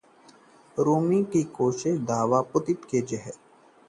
रूसी मॉडल का दावा, पुतिन ने जहर देकर की मरवाने की कोशिश